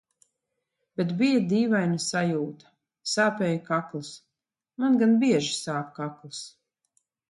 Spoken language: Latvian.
Bet bija dīvaina sajūta. Sāpēja kakls. Man gan bieži sāp kakls.